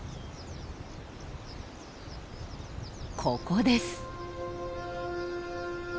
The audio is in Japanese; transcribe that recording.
ここです。